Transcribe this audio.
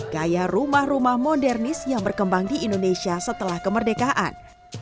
gaya rumah rumah modernis yang berkembang di indonesia setelah kemerdekaan